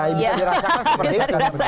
ya bisa dirasakan seperti itu kan